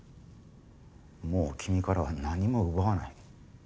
もう君からは何も奪わない。